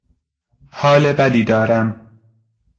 حال بدی دارم.